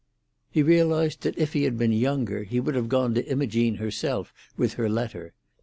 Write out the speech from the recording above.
He realised that if he had been younger he would have gone to Imogene herself with her letter.